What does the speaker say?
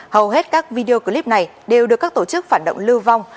hầu hết các video clip này đều được các tổ chức phản động lưu vong